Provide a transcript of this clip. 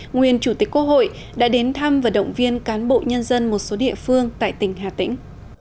nguyên chủ tịch quốc hội đã đến thăm và động viên cán bộ nhân dân một số địa phương tại tỉnh hà tĩnh